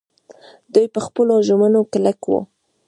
دوی په خپلو ژمنو کلک وو.